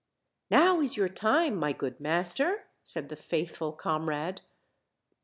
"Now is your time, my good master," said the faithful Comrade.